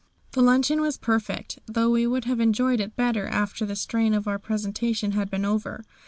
The luncheon was perfect, though we would have enjoyed it better after the strain of our presentation had been over.